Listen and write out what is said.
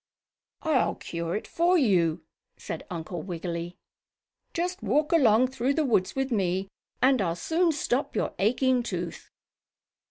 "I'll cure it for you!" said Uncle Wiggily. "Just walk along through the woods with me and I'll soon stop your aching tooth."